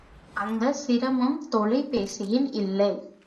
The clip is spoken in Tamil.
அந்த சிரமம் தொலை பேசியில் இல்லை.